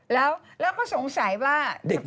แล้วก็สงสัยว่า